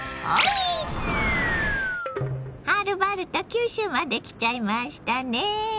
はるばると九州まで来ちゃいましたね。